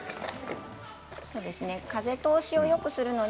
風通しをよくするのに